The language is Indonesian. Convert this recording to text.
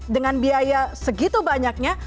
dengan biaya segitu banyaknya